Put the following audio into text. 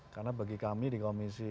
karena bagi kami di komisi sepuluh